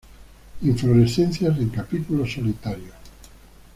Inflorescencia en capítulos solitarios.